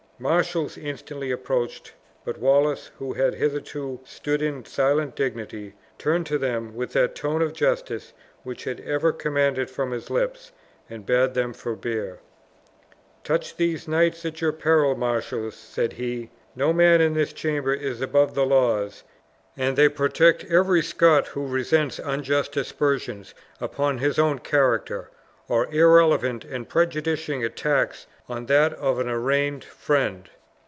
Marshals instantly approached; but Wallace, who had hitherto stood in silent dignity, turned to them with that tone of justice which had ever commanded from his lips, and bade them forbear: "Touch these knights at your peril, marshals!" said he; "no man in this chamber is above the laws, and they protect every Scot who resents unjust aspersions upon his own character, or irrelevant and prejudicing attacks on that of an arraigned friend.